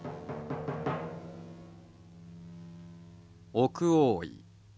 奥大井。